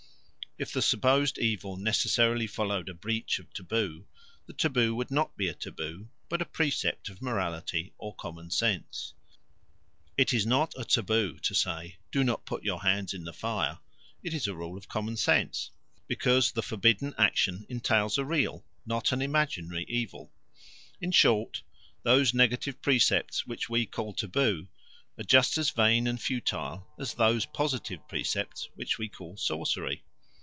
If the supposed evil necessarily followed a breach of taboo, the taboo would not be a taboo but a precept of morality or common sense. It is not a taboo to say, "Do not put your hand in the fire"; it is a rule of common sense, because the forbidden action entails a real, not an imaginary evil. In short, those negative precepts which we call taboo are just as vain and futile as those positive precepts which we call sorcery.